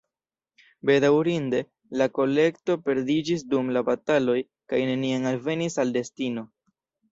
Bedaŭrinde, la kolekto perdiĝis dum la bataloj kaj neniam alvenis al destino.